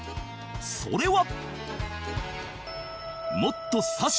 それは